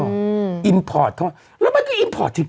แล้วมันก็อินพอร์ตเข้ามาแล้วมันก็อินพอร์ตจริง